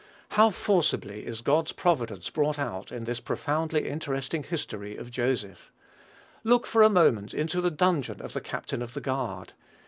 How forcibly is God's providence brought out in this profoundly interesting history of Joseph! Look, for a moment, into the dungeon of the captain of the guard.